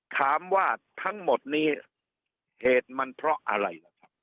ถามว่าทั้งหมดนี้เหตุมันเพราะอะไร